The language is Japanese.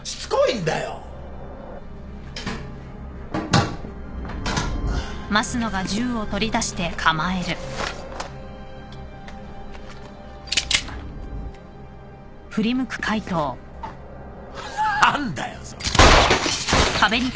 何だよそれ。